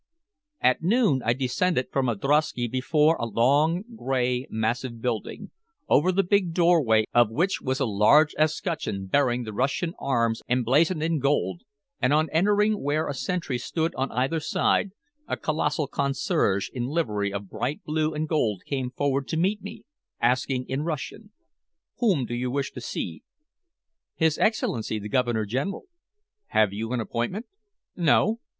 At noon I descended from a drosky before a long, gray, massive building, over the big doorway of which was a large escutcheon bearing the Russian arms emblazoned in gold, and on entering where a sentry stood on either side, a colossal concierge in livery of bright blue and gold came forward to meet me, asking in Russian: "Whom do you wish to see?" "His Excellency, the Governor General." "Have you an appointment?" "No."